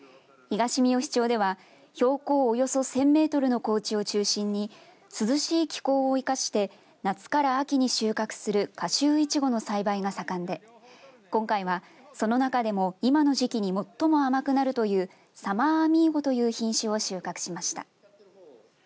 東みよし町では標高およそ１０００メートルの高地を中心に涼しい気候を生かして夏から秋に収穫する夏秋いちごの栽培が盛んで今回はその中でも今の時期に最も甘くなるというサマーアミーゴという品種を収穫しました。